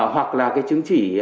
hoặc là chứng chỉ